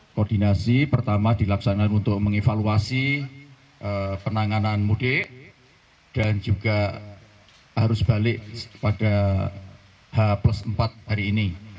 koordinasi pertama dilaksanakan untuk mengevaluasi penanganan mudik dan juga harus balik pada h empat hari ini